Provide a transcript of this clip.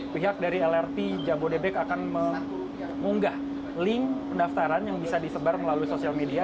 pihak dari lrt jabodebek akan mengunggah link pendaftaran yang bisa disebar melalui sosial media